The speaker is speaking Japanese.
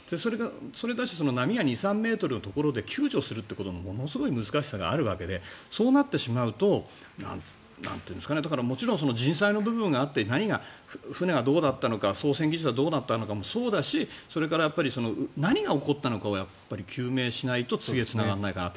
それだし波が２３ｍのところで救助するということのものすごい難しさがあるわけでそうなってしまうともちろん人災の部分があって何が船がどうだったのか操船技術はどうだったのかもあるしそれから何が起こったのかを究明しないと次につながらないかな。